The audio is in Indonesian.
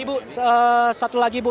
ibu satu lagi ibu